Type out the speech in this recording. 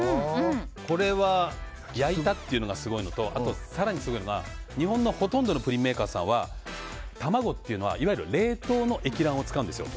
焼いたっていうのがすごいのと更にすごいのが日本のほとんどのプリンメーカーさんは卵っていうのは、いわゆる冷凍の液卵を使うんですよ。